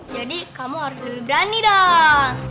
jadi kamu harus lebih berani dong